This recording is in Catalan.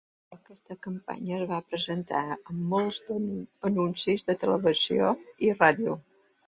Aquesta campanya es va presentar a molts anuncis de televisió i ràdio.